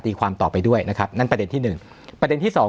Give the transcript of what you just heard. ความต่อไปด้วยนะครับนั่นประเด็นที่หนึ่งประเด็นที่สอง